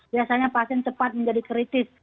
biasanya pasien cepat menjadi kritis